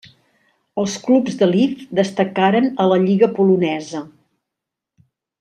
Els clubs de Lviv destacaren a la lliga polonesa.